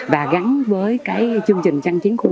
và gắn với chương trình trăng chiến khu